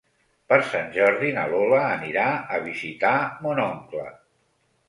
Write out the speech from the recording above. Per Sant Jordi na Lola anirà a visitar mon oncle.